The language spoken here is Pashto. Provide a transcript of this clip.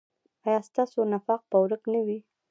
ایا ستاسو نفاق به ورک نه وي؟